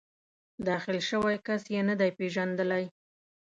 داخل شوی کس یې نه دی پېژندلی.